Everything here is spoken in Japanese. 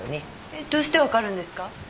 えっどうして分かるんですか？